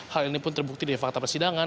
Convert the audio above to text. hal ini pun terbukti dari fakta persidangan